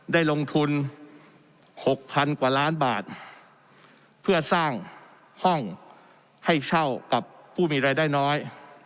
ได้ลงทุน๖๐๐๐กว่าล้านบาทเพื่อสร้างห้องให้เช่ากับผู้มีรายได้น้อย